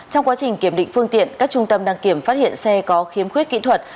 trong quá trình kiểm định phương tiện các trung tâm đăng kiểm phát hiện xe có khiếm khuyết kỹ thuật